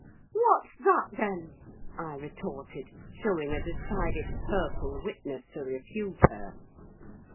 "What's that, then?" I retorted, showing a decided purple witness to refute her.